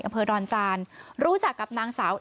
เผลอดรจานรู้จักกับนางสาว